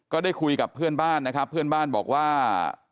ก็ได้คุยกับเพื่อนบ้านนะครับเพื่อนบ้านบอกว่า